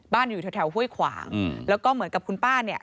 อยู่แถวห้วยขวางแล้วก็เหมือนกับคุณป้าเนี่ย